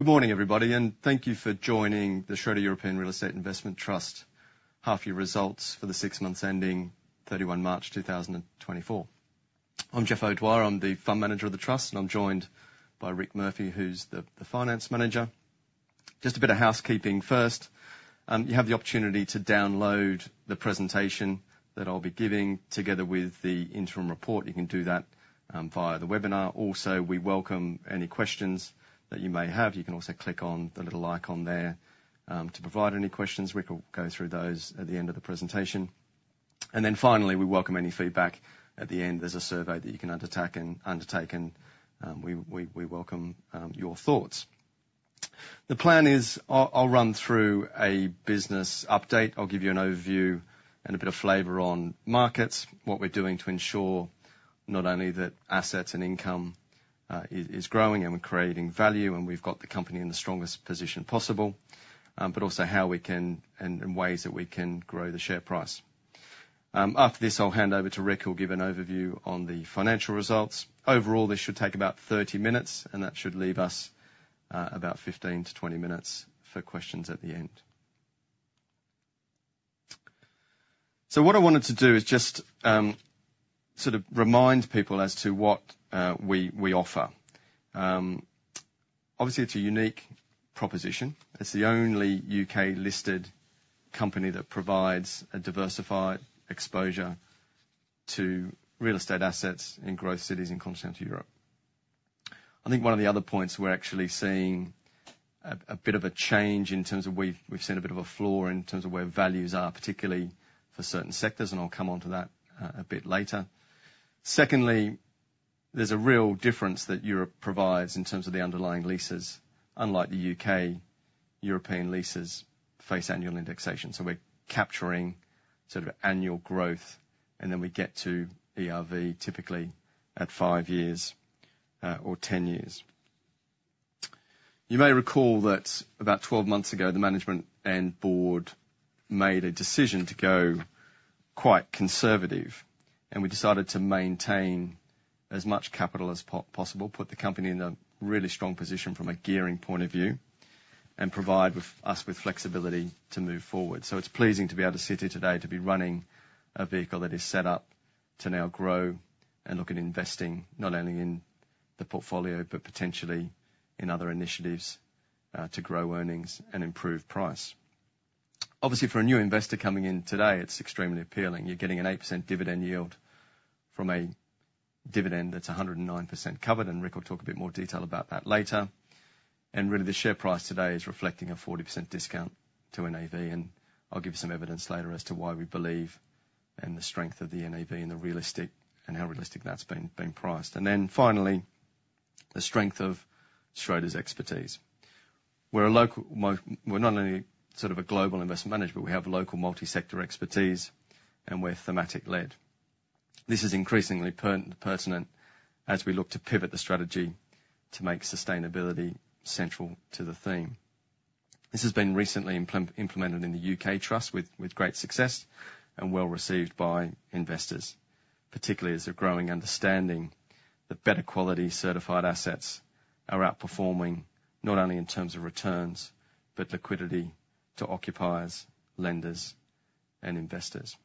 Good morning, everybody, and thank you for joining the Schroder European Real Estate Investment Trust Half-Year Results for the six months ending 31 March 2024. I'm Jeff O'Dwyer. I'm the Fund Manager of the Trust, and I'm joined by Rick Murphy, who's the Finance Manager. Just a bit of housekeeping first. You have the opportunity to download the presentation that I'll be giving together with the interim report. You can do that via the webinar. Also, we welcome any questions that you may have. You can also click on the little icon there to provide any questions. Rick will go through those at the end of the presentation. And then finally, we welcome any feedback. At the end, there's a survey that you can undertake. We welcome your thoughts. The plan is I'll run through a business update. I'll give you an overview and a bit of flavor on markets, what we're doing to ensure not only that assets and income is growing, and we're creating value, and we've got the company in the strongest position possible, but also how we can and ways that we can grow the share price. After this, I'll hand over to Rick, who'll give an overview on the financial results. Overall, this should take about 30 minutes, and that should leave us about 15-20 minutes for questions at the end. So what I wanted to do is just sort of remind people as to what we offer. Obviously, it's a unique proposition. It's the only UK-listed company that provides a diversified exposure to real estate assets in growth cities in continental Europe. I think one of the other points, we're actually seeing a bit of a change in terms of we've seen a bit of a flaw in terms of where values are, particularly for certain sectors, and I'll come onto that, a bit later. Secondly, there's a real difference that Europe provides in terms of the underlying leases. Unlike the UK, European leases face annual indexation, so we're capturing sort of annual growth, and then we get to ERV, typically at five years, or 10 years. You may recall that about 12 months ago, the Management and Board made a decision to go quite conservative, and we decided to maintain as much capital as possible, put the company in a really strong position from a gearing point of view, and provide us with flexibility to move forward. So it's pleasing to be able to sit here today, to be running a vehicle that is set up to now grow and look at investing, not only in the portfolio, but potentially in other initiatives, to grow earnings and improve price. Obviously, for a new investor coming in today, it's extremely appealing. You're getting an 8% dividend yield from a dividend that's 109% covered, and Rick will talk a bit more detail about that later. Really, the share price today is reflecting a 40% discount to NAV, and I'll give you some evidence later as to why we believe in the strength of the NAV and the realistic, and how realistic that's been priced. And then finally, the strength of Schroders' expertise. We're not only sort of a Global Investment Manager, but we have local multi-sector expertise, and we're thematic-led. This is increasingly pertinent as we look to pivot the strategy to make sustainability central to the theme. This has been recently implemented in the UK Trust with great success and well received by investors, particularly as a growing understanding that better quality certified assets are outperforming not only in terms of returns, but liquidity to occupiers, lenders, and investors.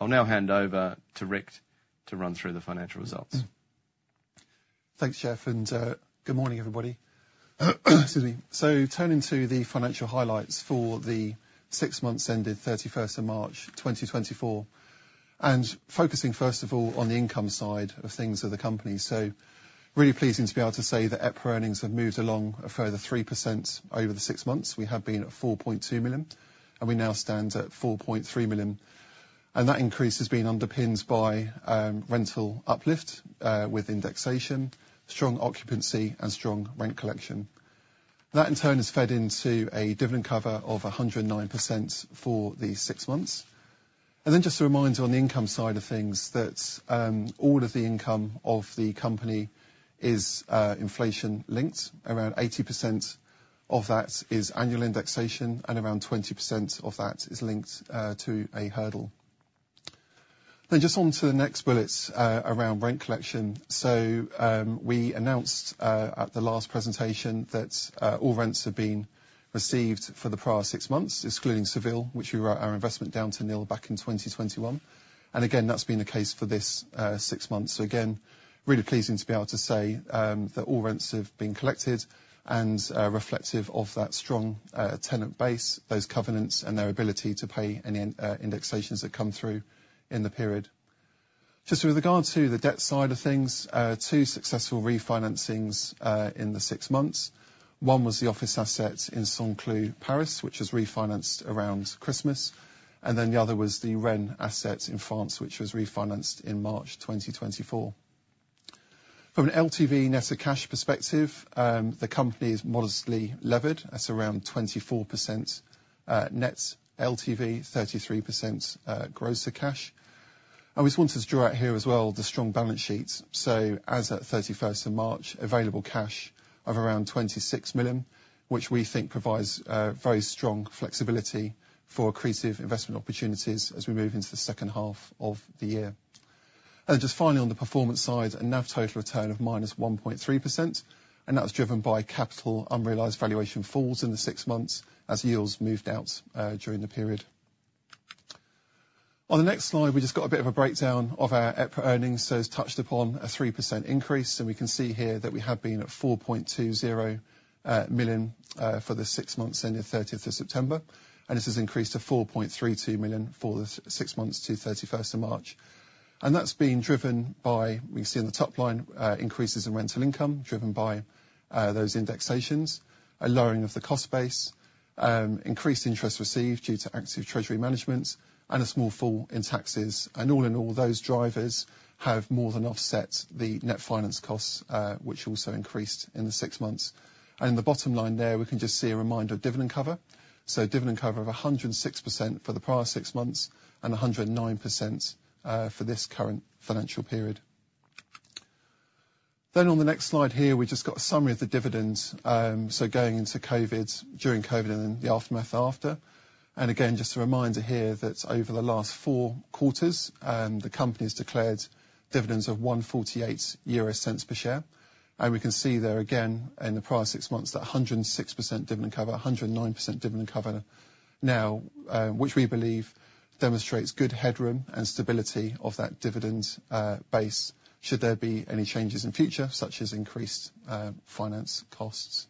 I'll now hand over to Rick to run through the financial results. Thanks, Jeff, and good morning, everybody. Excuse me. So turning to the financial highlights for the six months ended 31st of March, 2024, and focusing, first of all, on the income side of things of the company. So really pleasing to be able to say that EPRA earnings have moved along a further 3% over the six months. We have been at 4.2 million, and we now stand at 4.3 million, and that increase has been underpins by rental uplift with indexation, strong occupancy, and strong rent collection. That, in turn, has fed into a dividend cover of 109% for these six months. And then just a reminder on the income side of things, that all of the income of the company is inflation-linked. Around 80% of that is annual indexation, and around 20% of that is linked to a hurdle. Then, just on to the next bullets, around rent collection. So, we announced at the last presentation that all rents have been received for the past six months, excluding Seville, which we wrote our investment down to nil back in 2021. And again, that's been the case for this six months. So again, really pleasing to be able to say that all rents have been collected and reflective of that strong tenant base, those covenants, and their ability to pay any indexations that come through in the period. Just with regard to the debt side of things, two successful refinancings in the six months. One was the office asset in Saint-Cloud, Paris, which was refinanced around Christmas, and then the other was the Rennes asset in France, which was refinanced in March 2024. From an LTV net to cash perspective, the company is modestly levered. That's around 24%, net LTV, 33%, gross to cash. And we just want to draw out here as well the strong balance sheets. So as at 31st March, available cash of around 26 million, which we think provides very strong flexibility for accretive investment opportunities as we move into the second half of the year. And just finally, on the performance side, a NAV total return of -1.3%, and that was driven by capital unrealized valuation falls in the six months as yields moved out during the period. On the next slide, we just got a bit of a breakdown of our EPRA earnings. It's touched upon a 3% increase, and we can see here that we have been at 4.20 million for the six months ending 31st of September, and this has increased to 4.32 million for the six months to 31st of March. That's been driven by, we see on the top line, increases in rental income, driven by, those indexations, a lowering of the cost base, increased interest received due to active treasury managements, and a small fall in taxes. All in all, those drivers have more than offset the net finance costs, which also increased in the six months. In the bottom line there, we can just see a reminder of dividend cover, so dividend cover of 106% for the prior six months, and 109% for this current financial period. On the next slide here, we just got a summary of the dividends. Going into COVID, during COVID, and then the aftermath after, and again, just a reminder here that over the last four quarters, the company's declared dividends of 0.0148 EUR per share. We can see there again, in the prior six months, that 106% dividend cover, 109% dividend cover now, which we believe demonstrates good headroom and stability of that dividend base should there be any changes in future, such as increased finance costs.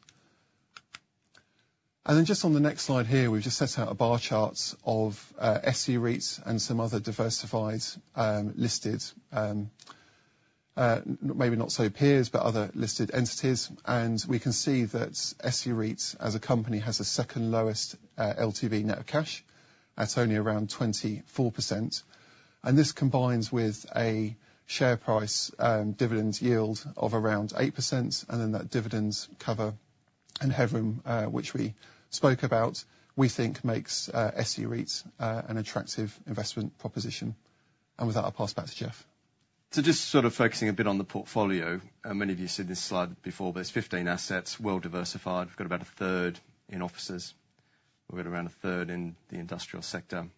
Just on the next slide here, we've just set out a bar chart of SE REIT and some other diversified listed maybe not so peers but other listed entities. We can see that SE REIT, as a company, has the second lowest LTV net of cash at only around 24%. And this combines with a share price dividend yield of around 8%, and then that dividend cover and headroom which we spoke about, we think makes SE REIT an attractive investment proposition. With that, I'll pass it back to Jeff. So just sort of focusing a bit on the portfolio, and many of you have seen this slide before, but it's 15 assets, well-diversified. We've got about a third in offices. We've got around a third in the industrial sector,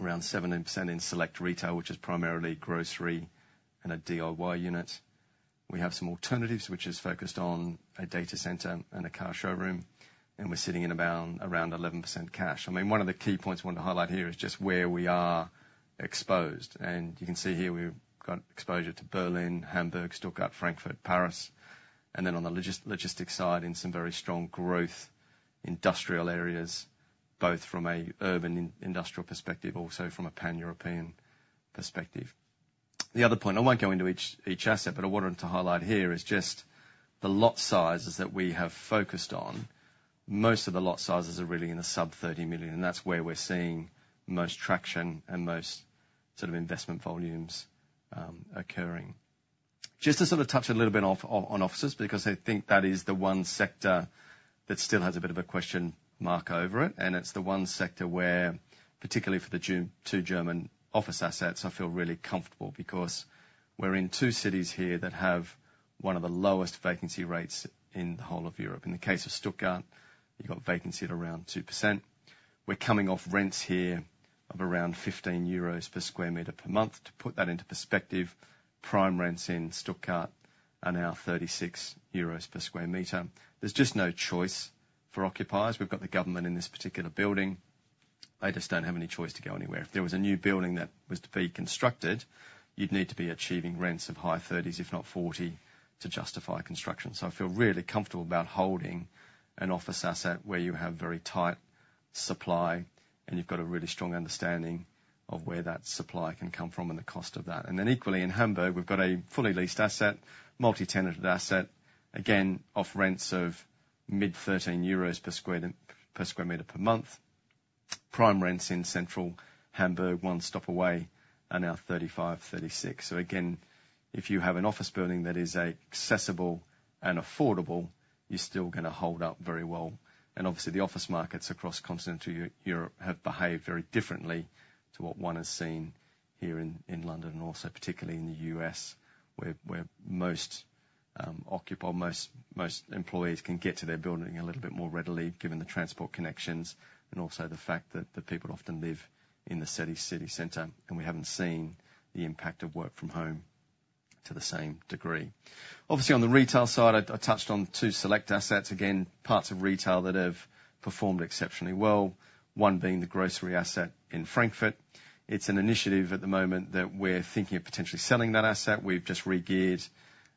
around 17% in select retail, which is primarily grocery and a DIY unit. We have some alternatives, which is focused on a data center and a car showroom, and we're sitting in around 11% cash. I mean, one of the key points I want to highlight here is just where we are exposed. And you can see here we've got exposure to Berlin, Hamburg, Stuttgart, Frankfurt, Paris, and then on the logistics side, in some very strong growth industrial areas, both from an urban and industrial perspective, also from a pan-European perspective. The other point, I won't go into each, each asset, but I wanted to highlight here, is just the lot sizes that we have focused on. Most of the lot sizes are really in the sub-EUR 30 million, and that's where we're seeing the most traction and most sort of investment volumes occurring. Just to sort of touch a little bit on offices, because I think that is the one sector that still has a bit of a question mark over it, and it's the one sector where, particularly for the two German office assets, I feel really comfortable because we're in two cities here that have one of the lowest vacancy rates in the whole of Europe. In the case of Stuttgart, you've got vacancy at around 2%. We're coming off rents here of around 15 euros per square meter per month. To put that into perspective, prime rents in Stuttgart are now 36 euros per sq m. There's just no choice for occupiers. We've got the government in this particular building. They just don't have any choice to go anywhere. If there was a new building that was to be constructed, you'd need to be achieving rents of high 30s, if not 40, to justify construction. So I feel really comfortable about holding an office asset where you have very tight supply, and you've got a really strong understanding of where that supply can come from and the cost of that. And then equally, in Hamburg, we've got a fully leased asset, multi-tenanted asset, again, off rents of mid-13 EUR per square meter per month. Prime rents in central Hamburg, one stop away, are now 35, 36. So again, if you have an office building that is accessible and affordable, you're still gonna hold up very well. And obviously, the office markets across continental Europe have behaved very differently to what one has seen here in London, and also particularly in the U.S., where most employees can get to their building a little bit more readily, given the transport connections and also the fact that the people often live in the city center, and we haven't seen the impact of work from home to the same degree. Obviously, on the retail side, I touched on two select assets. Again, parts of retail that have performed exceptionally well, one being the grocery asset in Frankfurt. It's an initiative at the moment that we're thinking of potentially selling that asset. We've just regeared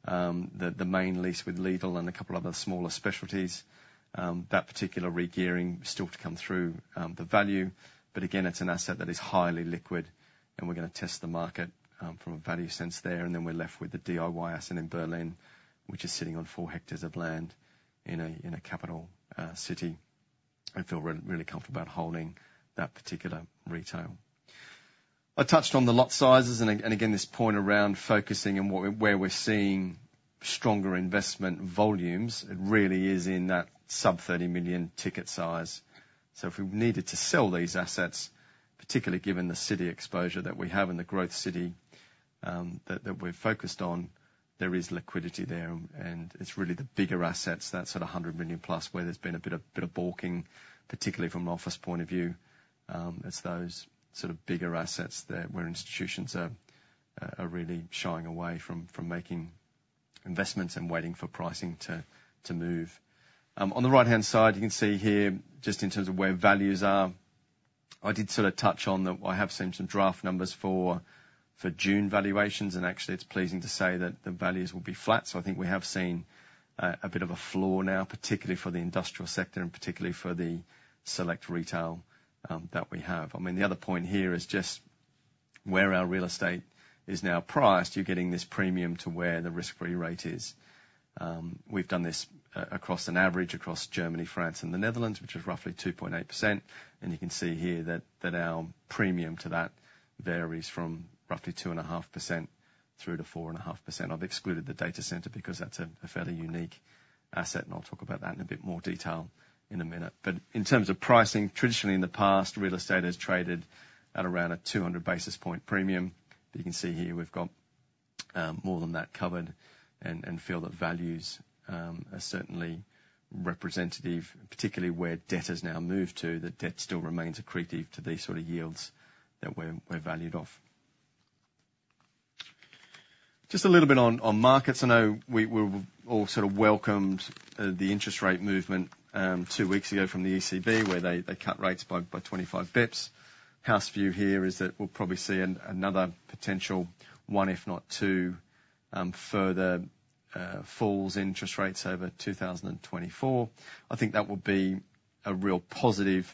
the main lease with Lidl and a couple other smaller specialties. That particular regearing is still to come through the value, but again, it's an asset that is highly liquid, and we're gonna test the market from a value sense there. And then we're left with the DIY asset in Berlin, which is sitting on four hectares of land in a capital city. I feel really comfortable about holding that particular retail. I touched on the lot sizes and again, this point around focusing and where we're seeing stronger investment volumes, it really is in that sub-30-million ticket size. So if we needed to sell these assets, particularly given the city exposure that we have and the growth city that we've focused on... There is liquidity there, and it's really the bigger assets that's at 100 million plus, where there's been a bit of balking, particularly from an office point of view. It's those sort of bigger assets there, where institutions are really shying away from making investments and waiting for pricing to move. On the right-hand side, you can see here, just in terms of where values are. I did sort of touch on the—I have seen some draft numbers for June valuations, and actually, it's pleasing to say that the values will be flat. So I think we have seen a bit of a floor now, particularly for the industrial sector and particularly for the select retail that we have. I mean, the other point here is just where our real estate is now priced, you're getting this premium to where the risk-free rate is. We've done this across an average, across Germany, France, and the Netherlands, which is roughly 2.8%, and you can see here that our premium to that varies from roughly 2.5% through to 4.5%. I've excluded the data center, because that's a fairly unique asset, and I'll talk about that in a bit more detail in a minute. But in terms of pricing, traditionally, in the past, real estate has traded at around a 200 basis point premium. You can see here, we've got more than that covered and feel that values are certainly representative, particularly where debt has now moved to, that debt still remains accretive to these sort of yields that we're valued off. Just a little bit on markets. I know we're all sort of welcomed the interest rate movement two weeks ago from the ECB, where they cut rates by 25 basis points. House view here is that we'll probably see another potential one, if not two, further falls in interest rates over 2024. I think that will be a real positive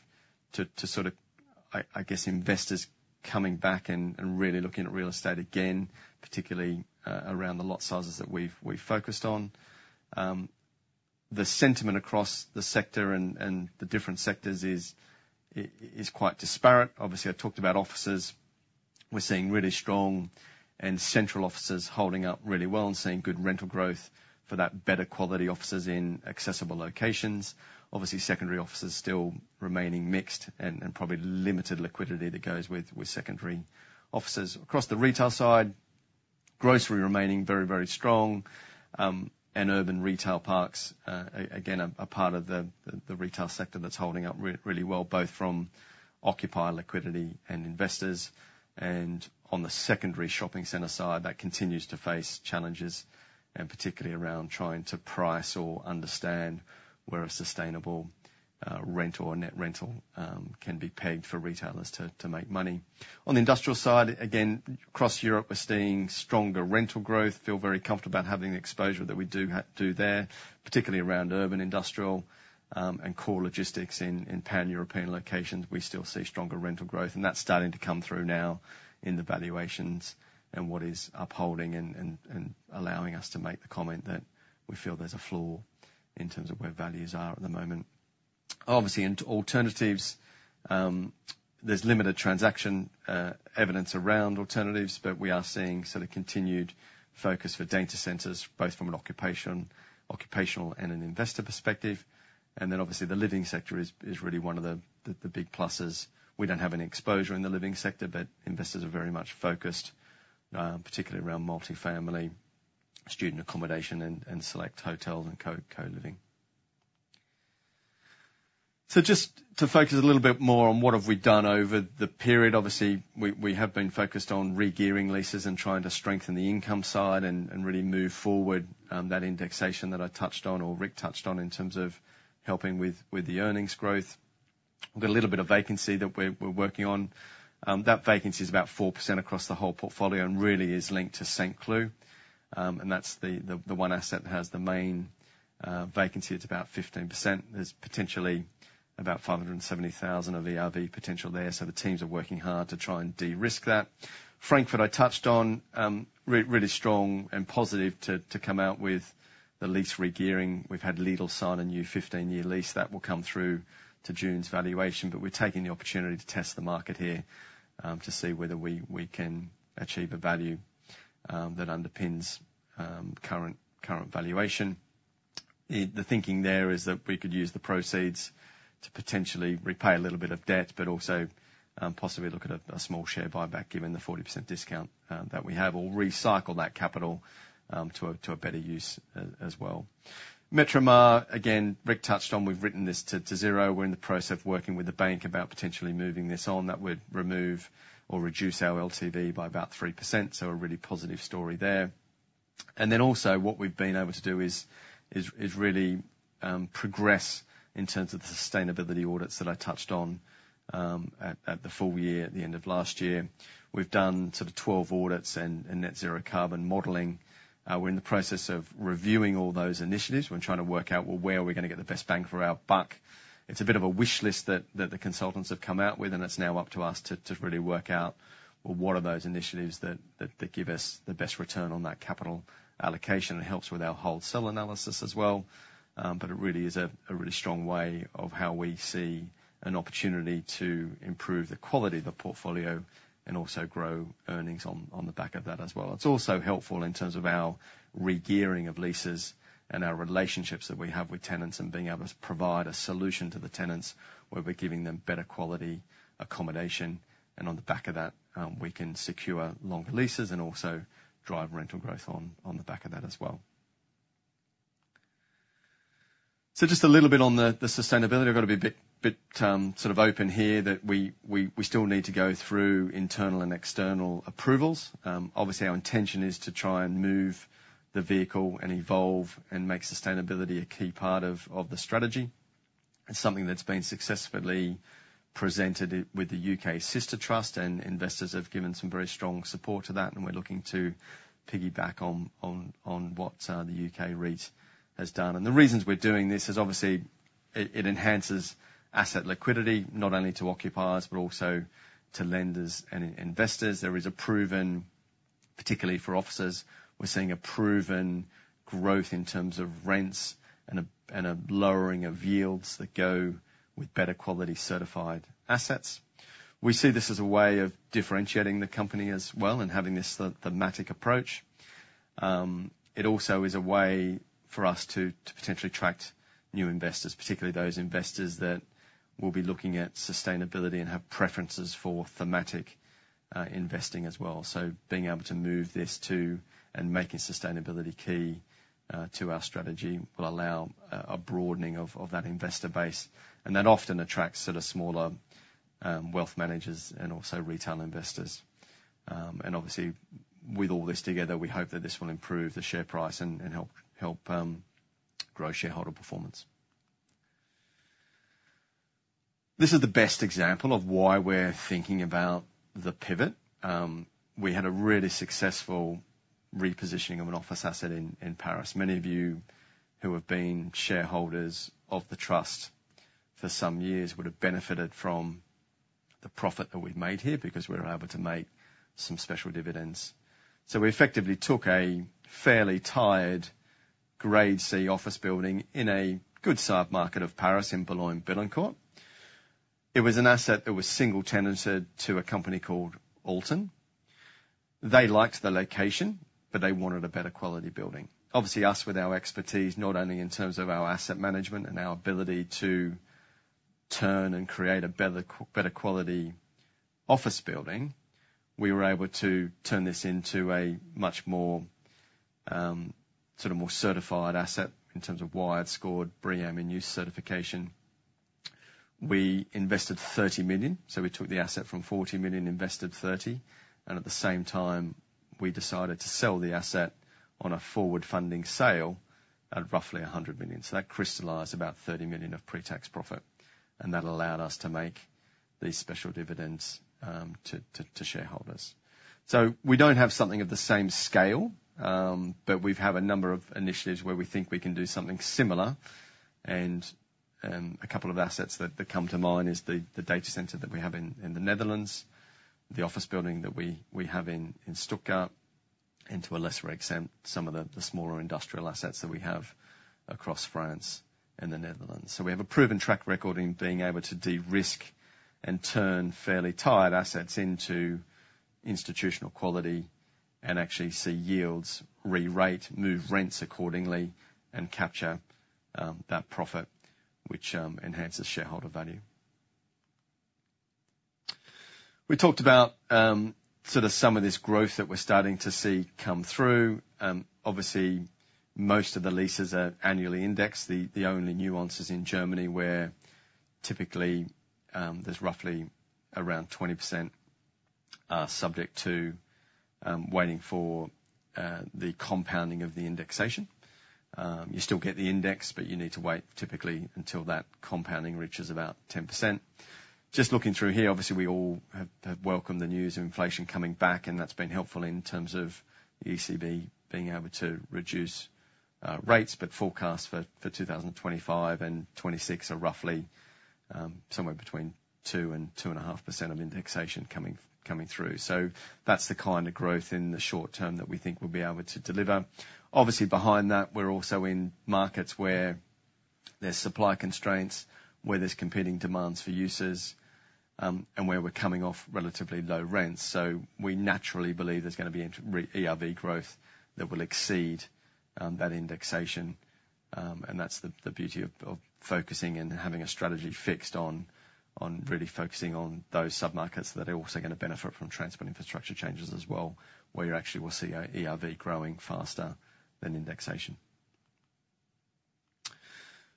to sort of, I guess, investors coming back and really looking at real estate again, particularly around the lot sizes that we've focused on. The sentiment across the sector and the different sectors is quite disparate. Obviously, I talked about offices. We're seeing really strong and central offices holding up really well and seeing good rental growth for that better quality offices in accessible locations. Obviously, secondary offices still remaining mixed and probably limited liquidity that goes with secondary offices. Across the retail side, grocery remaining very strong and urban retail parks, again, a part of the retail sector that's holding up really well, both from occupier liquidity and investors. On the secondary shopping center side, that continues to face challenges, and particularly around trying to price or understand where a sustainable rental or net rental can be pegged for retailers to make money. On the industrial side, again, across Europe, we're seeing stronger rental growth, feel very comfortable about having the exposure that we do have there, particularly around urban industrial and core logistics in pan-European locations. We still see stronger rental growth, and that's starting to come through now in the valuations and what is upholding and allowing us to make the comment that we feel there's a flaw in terms of where values are at the moment. Obviously, in alternatives, there's limited transaction evidence around alternatives, but we are seeing sort of continued focus for data centers, both from an occupational and an investor perspective. And then obviously, the living sector is really one of the big pluses. We don't have any exposure in the living sector, but investors are very much focused, particularly around multifamily, student accommodation, and select hotels and co-living. So just to focus a little bit more on what have we done over the period, obviously, we have been focused on regearing leases and trying to strengthen the income side and really move forward, that indexation that I touched on or Rick touched on in terms of helping with the earnings growth. We've got a little bit of vacancy that we're working on. That vacancy is about 4% across the whole portfolio and really is linked to Saint-Cloud, and that's the one asset that has the main vacancy. It's about 15%. There's potentially about 570,000 of ERV potential there, so the teams are working hard to try and de-risk that. Frankfurt, I touched on, really strong and positive to come out with the lease regearing. We've had Lidl sign a new 15-year lease, that will come through to June's valuation. But we're taking the opportunity to test the market here, to see whether we can achieve a value that underpins current valuation. The thinking there is that we could use the proceeds to potentially repay a little bit of debt, but also, possibly look at a small share buyback, given the 40% discount that we have, or recycle that capital to a better use as well. Metromar, again, Rick touched on, we've written this to zero. We're in the process of working with the bank about potentially moving this on. That would remove or reduce our LTV by about 3%, so a really positive story there. And then also, what we've been able to do is really progress in terms of the sustainability audits that I touched on at the full year, at the end of last year. We've done sort of 12 audits and Net Zero Carbon modeling. We're in the process of reviewing all those initiatives. We're trying to work out, well, where are we gonna get the best bang for our buck? It's a bit of a wish list that the consultants have come out with, and it's now up to us to really work out, well, what are those initiatives that give us the best return on that capital allocation? It helps with our hold-sell analysis as well. But it really is a really strong way of how we see an opportunity to improve the quality of the portfolio and also grow earnings on the back of that as well. It's also helpful in terms of our regearing of leases and our relationships that we have with tenants, and being able to provide a solution to the tenants, where we're giving them better quality accommodation, and on the back of that, we can secure longer leases and also drive rental growth on the back of that as well. So just a little bit on the sustainability. I've got to be a bit sort of open here that we still need to go through internal and external approvals. Obviously, our intention is to try and move the vehicle and evolve and make sustainability a key part of the strategy, and something that's been successfully presented with the UK Sister Trust, and investors have given some very strong support to that, and we're looking to piggyback on what the UK REIT has done. The reasons we're doing this is obviously it enhances asset liquidity, not only to occupiers, but also to lenders and investors. There is a proven, particularly for offices, we're seeing a proven growth in terms of rents and a lowering of yields that go with better quality certified assets. We see this as a way of differentiating the company as well and having this the thematic approach. It also is a way for us to potentially attract new investors, particularly those investors that will be looking at sustainability and have preferences for thematic investing as well. So being able to move this to and making sustainability key to our strategy will allow a broadening of that investor base, and that often attracts sort of smaller wealth managers and also retail investors. And obviously, with all this together, we hope that this will improve the share price and help grow shareholder performance. This is the best example of why we're thinking about the pivot. We had a really successful repositioning of an office asset in Paris. Many of you who have been shareholders of the trust for some years would have benefited from the profit that we've made here, because we were able to make some special dividends. So we effectively took a fairly tired, Grade C office building in a good sub-market of Paris, in Boulogne-Billancourt. It was an asset that was single-tenanted to a company called Alten. They liked the location, but they wanted a better quality building. Obviously, us, with our expertise, not only in terms of our asset management and our ability to turn and create a better quality office building, we were able to turn this into a much more, sort of more certified asset in terms of WiredScore BREEAM In-Use certification. We invested 30 million, so we took the asset from 40 million, invested 30 million, and at the same time, we decided to sell the asset on a forward-funding sale at roughly 100 million. So that crystallized about 30 million of pre-tax profit, and that allowed us to make these special dividends to shareholders. So we don't have something of the same scale, but we have a number of initiatives where we think we can do something similar. And a couple of assets that come to mind is the data center that we have in the Netherlands, the office building that we have in Stuttgart, and to a lesser extent, some of the smaller industrial assets that we have across France and the Netherlands. So we have a proven track record in being able to de-risk and turn fairly tired assets into institutional quality and actually see yields rerate, move rents accordingly, and capture that profit, which enhances shareholder value. We talked about sort of some of this growth that we're starting to see come through. Obviously, most of the leases are annually indexed. The only nuance is in Germany, where typically there's roughly around 20%, subject to waiting for the compounding of the indexation. You still get the index, but you need to wait typically until that compounding reaches about 10%. Just looking through here, obviously, we all have welcomed the news of inflation coming back, and that's been helpful in terms of the ECB being able to reduce rates, but forecasts for 2025 and 2026 are roughly somewhere between 2% and 2.5% of indexation coming through. So that's the kind of growth in the short term that we think we'll be able to deliver. Obviously, behind that, we're also in markets where there's supply constraints, where there's competing demands for uses, and where we're coming off relatively low rents. So we naturally believe there's gonna be ERV growth that will exceed that indexation. And that's the beauty of focusing and having a strategy fixed on really focusing on those sub-markets that are also gonna benefit from transport infrastructure changes as well, where you actually will see a ERV growing faster than indexation.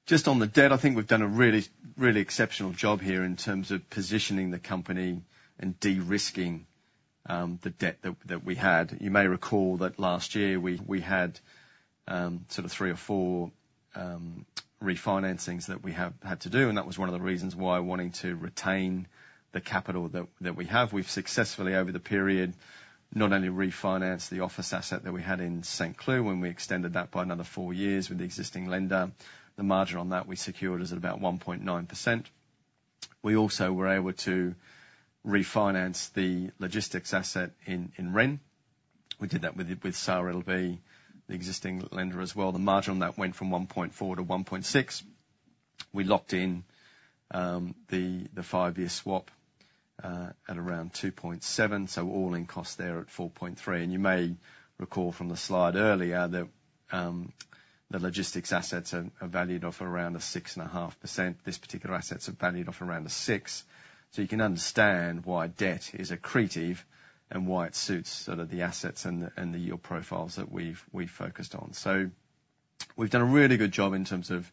Just on the debt, I think we've done a really, really exceptional job here in terms of positioning the company and de-risking the debt that we had. You may recall that last year we had sort of three or four refinancings that we have had to do, and that was one of the reasons why wanting to retain the capital that we have. We've successfully, over the period, not only refinanced the office asset that we had in Saint-Cloud, when we extended that by another four years with the existing lender, the margin on that we secured is at about 1.9%. We also were able to refinance the logistics asset in Rennes. We did that with SaarLB, the existing lender as well. The margin on that went from 1.4% to 1.6%. We locked in the five-year swap at around 2.7, so all-in cost there at 4.3%. You may recall from the slide earlier that the logistics assets are valued off around a 6.5%. These particular assets are valued off around a 6%. So you can understand why debt is accretive and why it suits sort of the assets and the yield profiles that we've focused on. We've done a really good job in terms of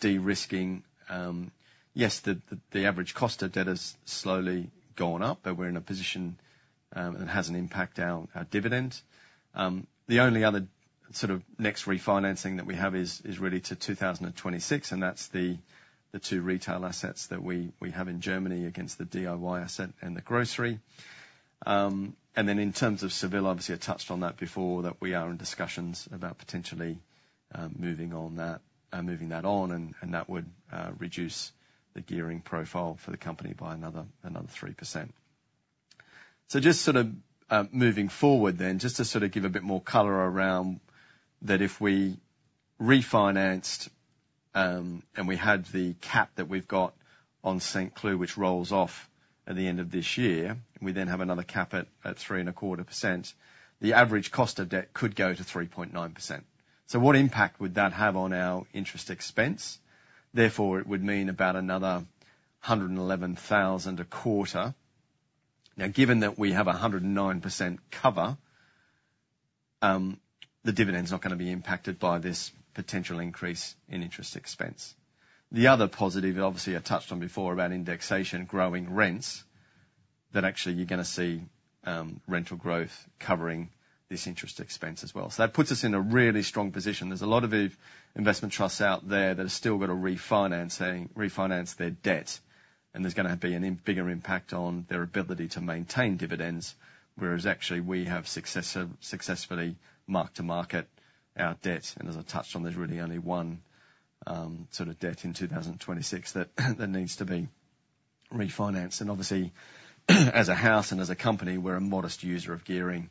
de-risking. Yes, the average cost of debt has slowly gone up, but we're in a position, and it has an impact on our dividend. The only other sort of next refinancing that we have is really to 2026, and that's the two retail assets that we have in Germany against the DIY asset and the grocery. And then in terms of Seville, obviously, I touched on that before, that we are in discussions about potentially moving on that, moving that on, and that would reduce the gearing profile for the company by another 3%. So just sort of moving forward then, just to sort of give a bit more color around that if we refinanced and we had the cap that we've got on Saint-Cloud, which rolls off at the end of this year, we then have another cap at 3.25%, the average cost of debt could go to 3.9%. So what impact would that have on our interest expense? Therefore, it would mean about another 111,000 a quarter. Now, given that we have 109% cover, the dividend's not gonna be impacted by this potential increase in interest expense. The other positive, obviously, I touched on before about indexation growing rents, that actually you're gonna see rental growth covering this interest expense as well. So that puts us in a really strong position. There's a lot of investment trusts out there that have still got to refinance their debt, and there's gonna be a bigger impact on their ability to maintain dividends, whereas actually we have successfully mark-to-market our debt. And as I touched on, there's really only one sort of debt in 2026 that needs to be refinanced. And obviously, as a house and as a company, we're a modest user of gearing.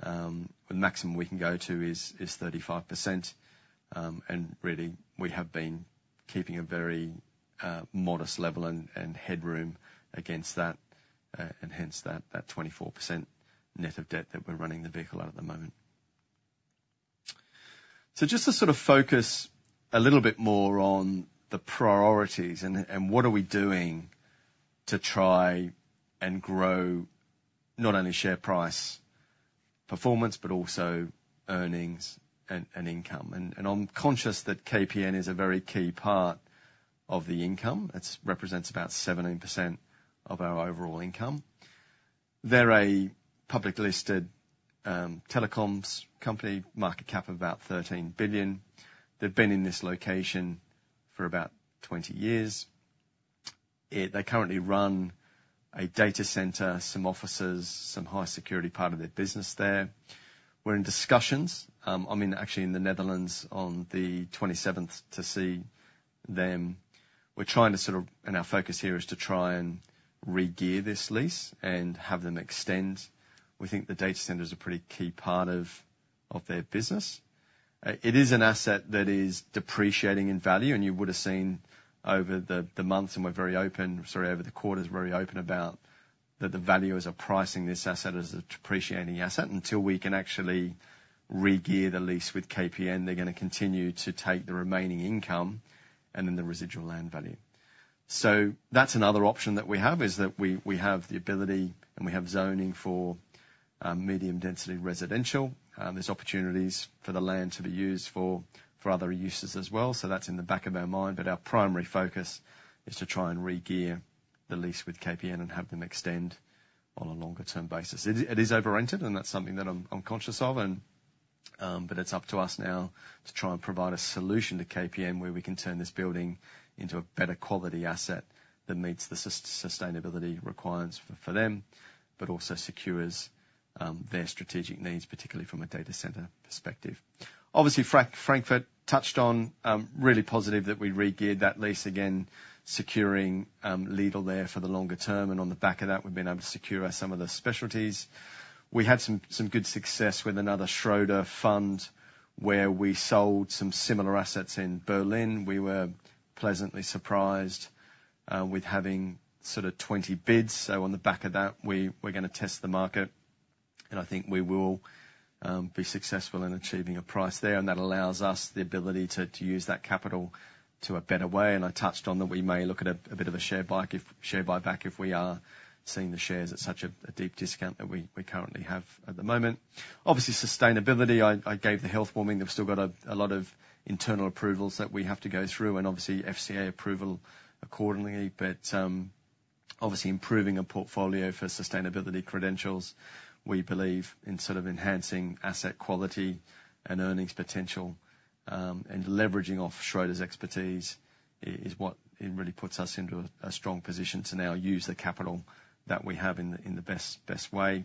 The maximum we can go to is 35%. And really, we have been keeping a very modest level and headroom against that, and hence that 24% net of debt that we're running the vehicle at the moment. So just to sort of focus a little bit more on the priorities and what are we doing to try and grow not only share price performance, but also earnings and income. And I'm conscious that KPN is a very key part of the income. It represents about 17% of our overall income. They're a publicly listed telecoms company, market cap of about 13 billion. They've been in this location for about 20 years. They currently run a data center, some offices, some high-security part of their business there. We're in discussions, I mean, actually, in the Netherlands on the 27th to see them. We're trying to sort of, and our focus here, is to try and regear this lease and have them extend. We think the data center is a pretty key part of their business. It is an asset that is depreciating in value, and you would have seen over the months, and we're very open, sorry, over the quarter is very open about that the valuers are pricing this asset as a depreciating asset. Until we can actually regear the lease with KPN, they're gonna continue to take the remaining income and then the residual land value. So that's another option that we have, is that we have the ability and we have zoning for medium-density residential. There's opportunities for the land to be used for other uses as well, so that's in the back of our mind. But our primary focus is to try and regear the lease with KPN and have them extend on a longer-term basis. It is over-rented, and that's something that I'm conscious of, and... But it's up to us now to try and provide a solution to KPN, where we can turn this building into a better quality asset that meets the sustainability requirements for them, but also secures their strategic needs, particularly from a data center perspective. Obviously, Frankfurt touched on really positive that we regeared that lease again, securing Lidl there for the longer term, and on the back of that, we've been able to secure some of the specialties. We had some good success with another Schroders fund, where we sold some similar assets in Berlin. We were pleasantly surprised with having sort of 20 bids. So on the back of that, we're gonna test the market, and I think we will be successful in achieving a price there, and that allows us the ability to use that capital to a better way. And I touched on that we may look at a bit of a share buyback, if share buyback if we are seeing the shares at such a deep discount that we currently have at the moment. Obviously, sustainability, I gave the health warning. We've still got a lot of internal approvals that we have to go through and obviously, FCA approval accordingly, but obviously improving a portfolio for sustainability credentials, we believe in sort of enhancing asset quality and earnings potential, and leveraging off Schroders' expertise is what it really puts us into a strong position to now use the capital that we have in the best way.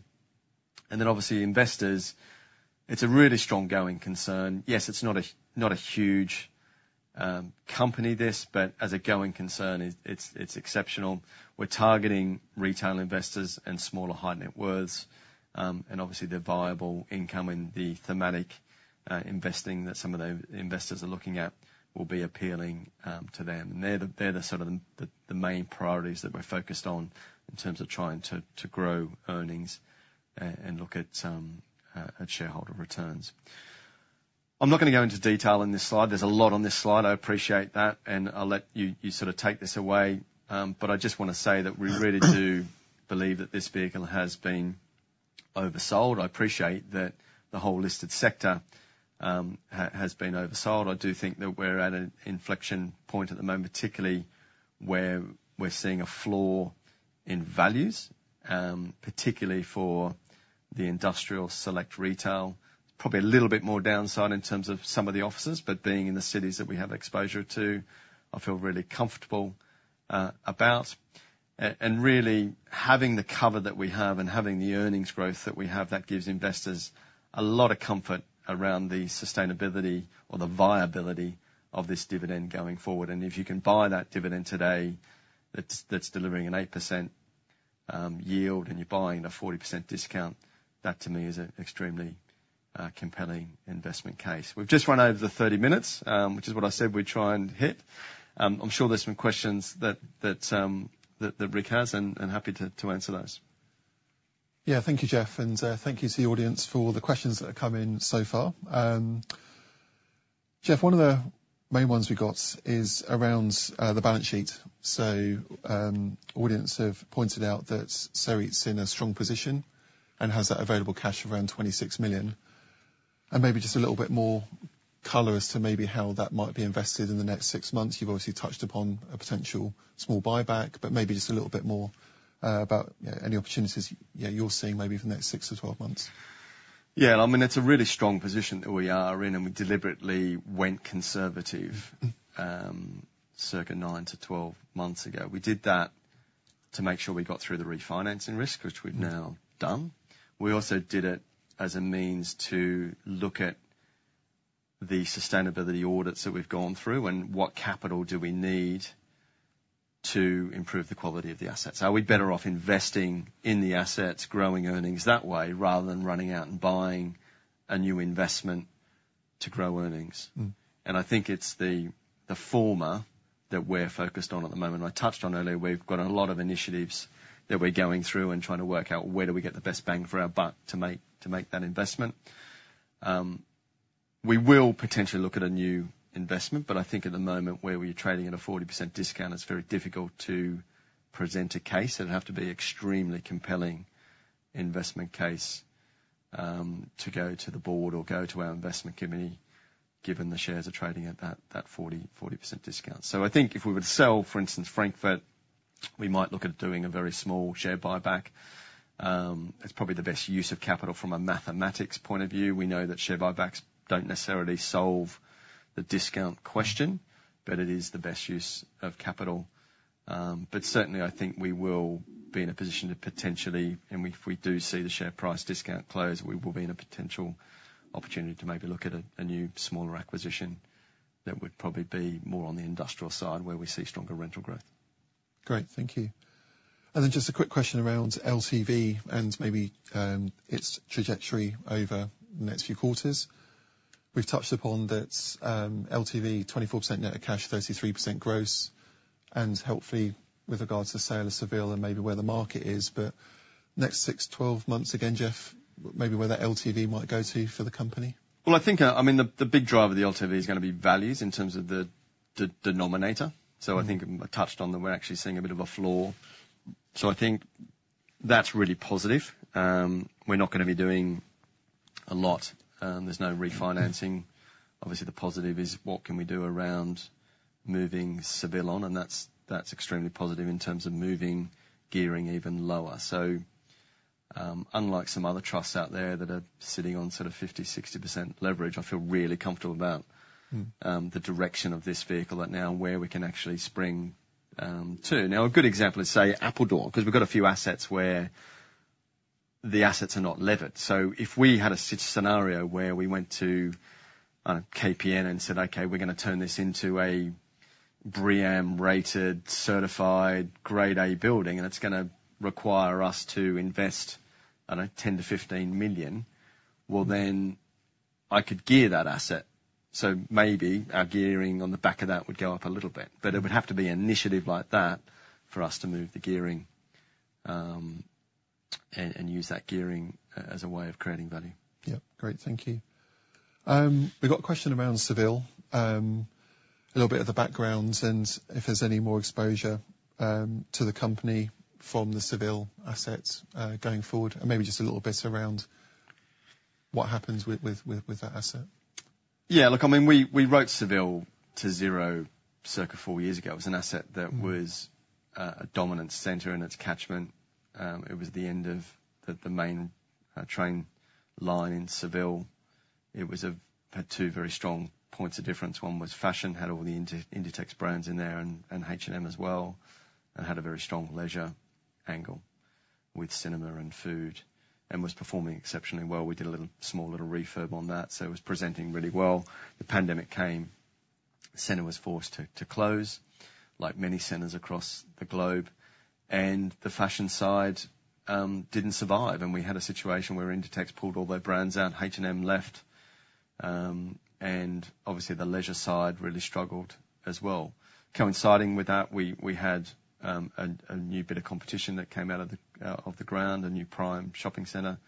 And then, obviously, investors, it's a really strong going concern. Yes, it's not a huge company, this, but as a going concern, it's exceptional. We're targeting retail investors and smaller high-net worths. And obviously, the viable income and the thematic investing that some of the investors are looking at will be appealing to them. They're the sort of main priorities that we're focused on in terms of trying to grow earnings and look at shareholder returns. I'm not gonna go into detail on this slide. There's a lot on this slide, I appreciate that, and I'll let you sort of take this away. But I just wanna say that we really do believe that this vehicle has been oversold. I appreciate that the whole listed sector has been oversold. I do think that we're at an inflection point at the moment, particularly where we're seeing a fall in values, particularly for the industrial select retail. Probably a little bit more downside in terms of some of the offices, but being in the cities that we have exposure to, I feel really comfortable about. And really, having the cover that we have and having the earnings growth that we have, that gives investors a lot of comfort around the sustainability or the viability of this dividend going forward. And if you can buy that dividend today, that's delivering an 8% yield, and you're buying a 40% discount, that to me is an extremely compelling investment case. We've just run over the 30 minutes, which is what I said we'd try and hit. I'm sure there's some questions that Rick has, and happy to answer those. Yeah. Thank you, Jeff, and thank you to the audience for all the questions that have come in so far. Jeff, one of the main ones we got is around the balance sheet. Audience have pointed out that SERIT's in a strong position and has that available cash of around 26 million. Maybe just a little bit more color as to maybe how that might be invested in the next six months. You've obviously touched upon a potential small buyback, but maybe just a little bit more about any opportunities you're seeing maybe for the next six to 12 months. Yeah, and I mean, it's a really strong position that we are in, and we deliberately went conservative. Mm. Circa 9-12 months ago. We did that to make sure we got through the refinancing risk, which we've now done. Mm. We also did it as a means to look at the sustainability audits that we've gone through, and what capital do we need to improve the quality of the assets? Are we better off investing in the assets, growing earnings that way, rather than running out and buying a new investment to grow earnings? Mm. I think it's the former that we're focused on at the moment. I touched on earlier, we've got a lot of initiatives that we're going through and trying to work out where do we get the best bang for our buck to make that investment. We will potentially look at a new investment, but I think at the moment, where we're trading at a 40% discount, it's very difficult to present a case. It'd have to be extremely compelling investment case to go to the board or go to our investment committee, given the shares are trading at that 40% discount. So I think if we were to sell, for instance, Frankfurt, we might look at doing a very small share buyback. It's probably the best use of capital from a mathematics point of view. We know that share buybacks don't necessarily solve the discount question, but it is the best use of capital. But certainly, I think we will be in a position to potentially... If we do see the share price discount close, we will be in a potential opportunity to maybe look at a new, smaller acquisition that would probably be more on the industrial side, where we see stronger rental growth. Great, thank you. And then just a quick question around LTV and maybe, its trajectory over the next few quarters. We've touched upon that, LTV, 24% net of cash, 33% gross, and helpfully, with regards to the sale of Seville and maybe where the market is, but next six, 12 months, again, Jeff, maybe where that LTV might go to for the company? Well, I think, the big driver of the LTV is gonna be values in terms of the denominator. Mm-hmm. I think I touched on that we're actually seeing a bit of a flaw. I think that's really positive. We're not gonna be doing a lot. There's no refinancing. Mm-hmm. Obviously, the positive is what can we do around moving Seville on? And that's, that's extremely positive in terms of moving gearing even lower. So, unlike some other trusts out there that are sitting on sort of 50%-60% leverage, I feel really comfortable about- Mm... the direction of this vehicle and now where we can actually spring to. Now, a good example is, say, Apeldoorn, 'cause we've got a few assets where the assets are not levered. So if we had a scenario where we went to KPN and said, "Okay, we're gonna turn this into a BREEAM-rated, certified, Grade A building, and it's gonna require us to invest, I don't know, 10-15 million," well, then I could gear that asset, so maybe our gearing on the back of that would go up a little bit, but it would have to be an initiative like that for us to move the gearing and use that gearing as a way of creating value. Yeah. Great, thank you. We got a question around Seville. A little bit of the background and if there's any more exposure to the company from the Seville assets going forward, and maybe just a little bit around what happens with that asset. Yeah, look, I mean, we wrote Seville to zero circa four years ago. It was an asset that was- Mm... a dominant center in its catchment. It was the end of the main train line in Seville. It was... Had two very strong points of difference. One was fashion, had all the Inditex brands in there, and H&M as well, and had a very strong leisure angle with cinema and food, and was performing exceptionally well. We did a little, small little refurb on that, so it was presenting really well. The pandemic came. The center was forced to close, like many centers across the globe, and the fashion side didn't survive, and we had a situation where Inditex pulled all their brands out, H&M left, and obviously, the leisure side really struggled as well. Coinciding with that, we had a new bit of competition that came out of the ground, a new prime shopping center,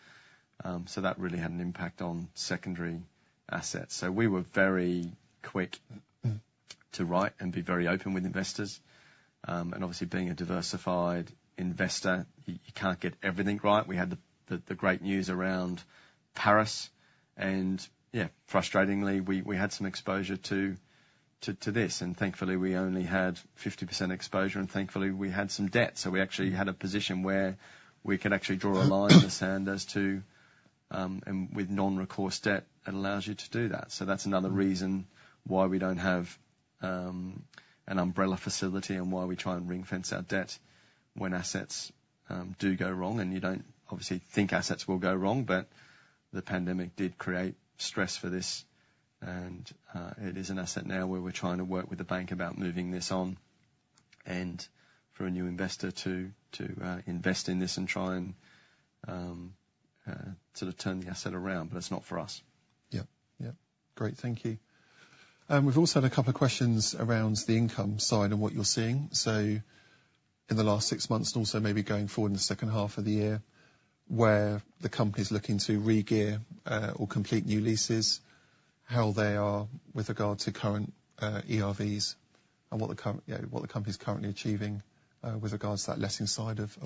so that really had an impact on secondary assets. So we were very quick- Mm, mm... to write and be very open with investors. And obviously, being a diversified investor, you can't get everything right. We had the great news around Paris and, yeah, frustratingly, we had some exposure to this, and thankfully, we only had 50% exposure, and thankfully, we had some debt. So we actually had a position where we could actually draw a line in the sand as to, and with non-recourse debt, it allows you to do that. So that's another reason why we don't have an umbrella facility and why we try and ring-fence our debt when assets do go wrong. And you don't, obviously, think assets will go wrong, but the pandemic did create stress for this, and it is an asset now where we're trying to work with the bank about moving this on, and for a new investor to invest in this and try and sort of turn the asset around. But it's not for us. Yep, yep. Great, thank you. We've also had a couple of questions around the income side and what you're seeing. So in the last six months and also maybe going forward in the second half of the year, where the company's looking to regear or complete new leases, how they are with regard to current ERVs, and what the current... Yeah, what the company's currently achieving with regards to that letting side of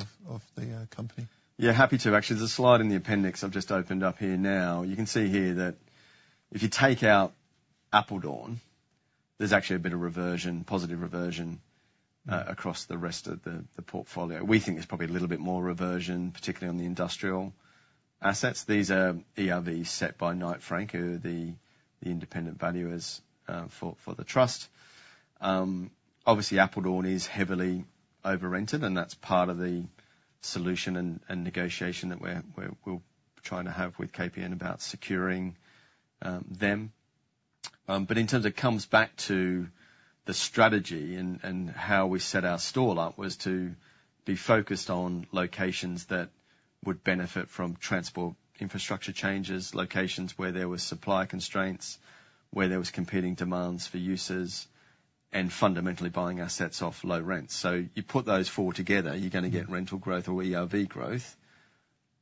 the company. Yeah, happy to. Actually, there's a slide in the appendix I've just opened up here now. You can see here that if you take out Apeldoorn, there's actually a bit of reversion, positive reversion, across the rest of the portfolio. We think there's probably a little bit more reversion, particularly on the industrial assets. These are ERVs set by Knight Frank, who are the independent valuers for the trust. Obviously, Apeldoorn is heavily overrented, and that's part of the solution and negotiation that we're trying to have with KPN about securing them. But in terms of it comes back to the strategy and how we set our stall up, was to be focused on locations that would benefit from transport infrastructure changes, locations where there were supply constraints, where there was competing demands for users, and fundamentally buying assets off low rents. So you put those four together, you're gonna get rental growth or ERV growth,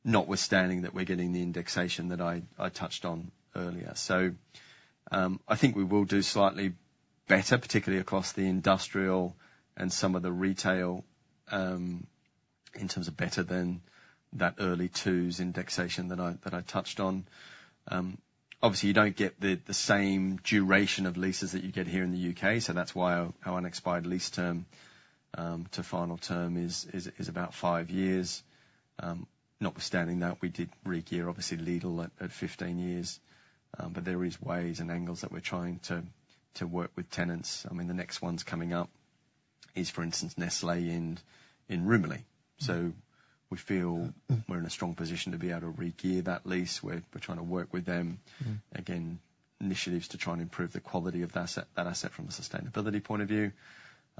notwithstanding that we're getting the indexation that I touched on earlier. So, I think we will do slightly better, particularly across the industrial and some of the retail, in terms of better than that early 2s indexation that I touched on. Obviously, you don't get the same duration of leases that you get here in the U.K., so that's why our unexpired lease term to final term is about five years. Notwithstanding that, we did regear, obviously, Lidl at 15 years. But there is ways and angles that we're trying to work with tenants. I mean, the next one's coming up is, for instance, Nestlé in Rumilly. Mm. So we feel- Mm... we're in a strong position to be able to regear that lease. We're trying to work with them. Mm-hmm. Again, initiatives to try and improve the quality of that asset from a sustainability point of view.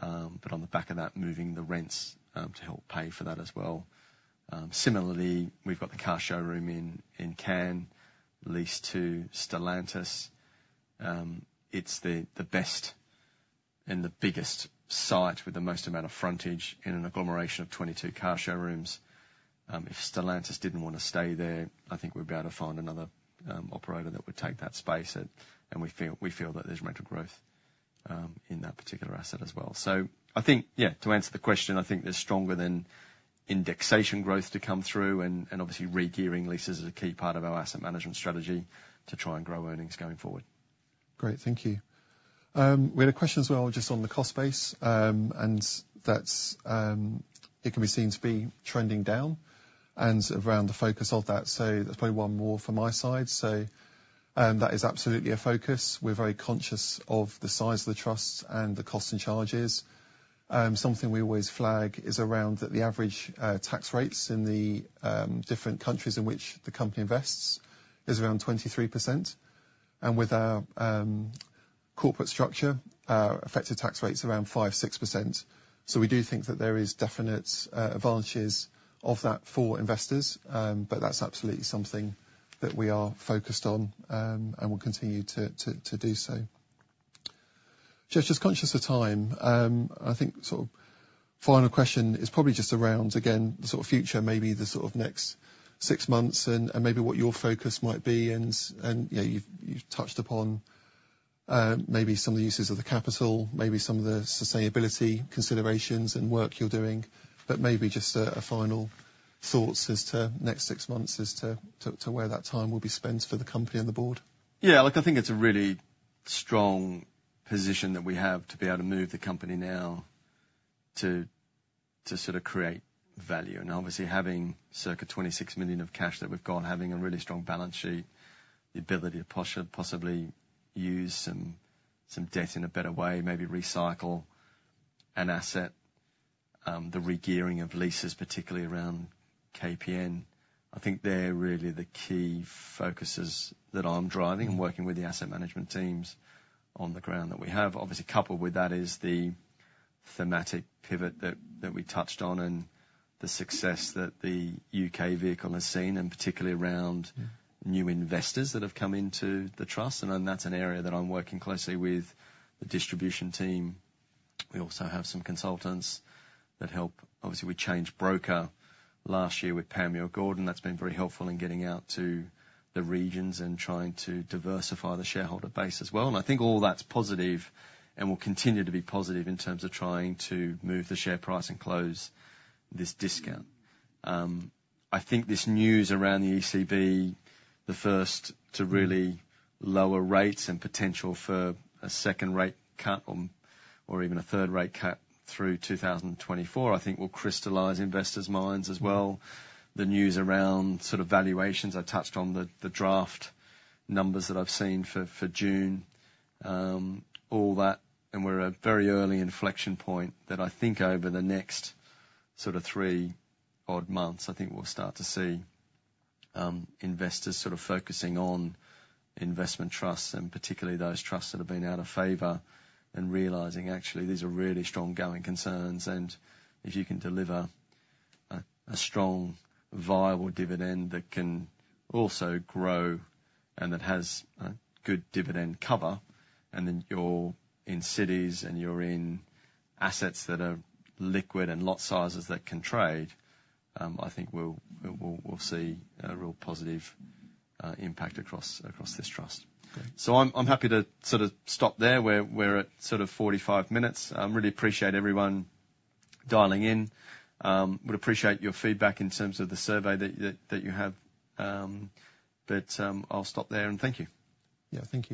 But on the back of that, moving the rents to help pay for that as well. Similarly, we've got the car showroom in Cannes leased to Stellantis. It's the best and the biggest site with the most amount of frontage in an agglomeration of 22 car showrooms. If Stellantis didn't wanna stay there, I think we'd be able to find another operator that would take that space. And we feel that there's rental growth in that particular asset as well. So I think... Yeah, to answer the question, I think there's stronger than indexation growth to come through and obviously regearing leases is a key part of our asset management strategy to try and grow earnings going forward. Great, thank you. We had a question as well, just on the cost base. And that's it can be seen to be trending down and around the focus of that. So there's probably one more from my side. So that is absolutely a focus. We're very conscious of the size of the trust and the costs and charges. Something we always flag is around that the average tax rates in the different countries in which the company invests is around 23%. And with our corporate structure, our effective tax rate's around 5-6%. So we do think that there is definite advantages of that for investors. But that's absolutely something that we are focused on, and will continue to do so. Just conscious of time, I think the sort of final question is probably just around, again, the sort of future, maybe the sort of next six months and maybe what your focus might be. And you know, you've touched upon maybe some of the uses of the capital, maybe some of the sustainability considerations and work you're doing, but maybe just a final thoughts as to next six months as to where that time will be spent for the company and the board. Yeah, look, I think it's a really strong position that we have to be able to move the company now to, to sort of create value. And obviously, having circa 26 million of cash that we've got, having a really strong balance sheet, the ability to possibly use some, some debt in a better way, maybe recycle an asset, the regearing of leases, particularly around KPN, I think they're really the key focuses that I'm driving- Mm... working with the asset management teams on the ground that we have. Obviously, coupled with that is the thematic pivot that we touched on and the success that the UK vehicle has seen, and particularly around- Yeah... new investors that have come into the trust. And that's an area that I'm working closely with the distribution team. We also have some consultants that help. Obviously, we changed broker last year with Panmure Gordon. That's been very helpful in getting out to the regions and trying to diversify the shareholder base as well. And I think all that's positive and will continue to be positive in terms of trying to move the share price and close this discount. I think this news around the ECB, the first to really lower rates and potential for a second rate cut on, or even a third rate cut through 2024, I think will crystallize investors' minds as well. The news around sort of valuations, I touched on the draft numbers that I've seen for June. All that, and we're at a very early inflection point that I think over the next sort of three odd months, I think we'll start to see investors sort of focusing on investment trusts, and particularly those trusts that have been out of favor, and realizing actually, these are really strong going concerns. And if you can deliver a strong, viable dividend that can also grow and that has a good dividend cover, and then you're in cities, and you're in assets that are liquid and lot sizes that can trade, I think we'll see a real positive impact across this trust. Great. So I'm happy to sort of stop there. We're at sort of 45 minutes. Really appreciate everyone dialing in. Would appreciate your feedback in terms of the survey that you have, but I'll stop there, and thank you. Yeah, thank you.